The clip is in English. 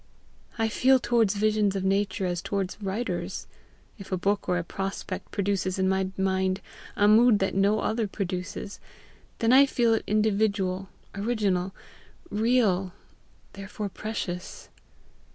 I feel towards visions of nature as towards writers. If a book or a prospect produces in my mind a mood that no other produces, then I feel it individual, original, real, therefore precious.